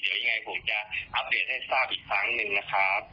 เดี๋ยวยังไงผมจะอัปเดตให้ทราบอีกครั้งหนึ่งนะครับ